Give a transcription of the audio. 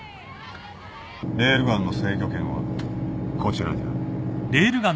レールガンの制御権はこちらにある。